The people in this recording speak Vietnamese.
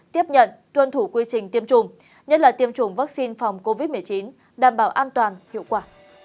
tiếp nhận tuân thủ quy trình tiêm chủng nhất là tiêm chủng vaccine phòng covid một mươi chín đảm bảo an toàn hiệu quả